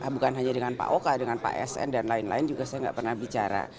bukan hanya dengan pak oka dengan pak sn dan lain lain juga saya nggak pernah bicara